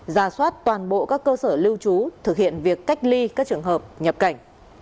ra soát toàn bộ các cơ sở lưu trú thực hiện việc cách ly các trường hợp nhập cảnh